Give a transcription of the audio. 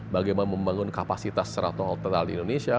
bagaimana membangun kapasitas seratus total di indonesia